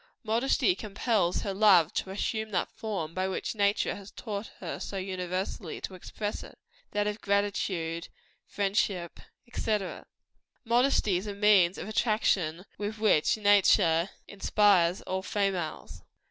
... Modesty compels her love to assume that form by which nature has taught her so universally to express it that of gratitude, friendship, &c. ... Modesty is a means of attraction with which nature inspires all females."